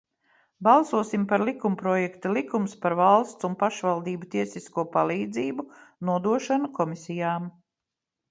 "Balsosim par likumprojekta "Likums par valsts un pašvaldību tiesisko palīdzību" nodošanu komisijām."